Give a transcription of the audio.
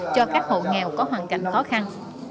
cho các hộ nghèo có hoàn cảnh khó khăn